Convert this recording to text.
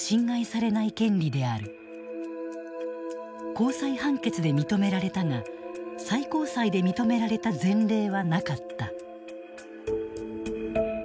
高裁判決で認められたが最高裁で認められた前例はなかった。